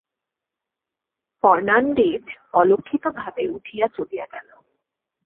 Fernandez অলক্ষিতভাবে উঠিয়া চলিয়া গেল।